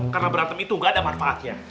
karena berantem itu gak ada manfaatnya